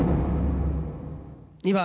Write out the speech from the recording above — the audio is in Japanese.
２番。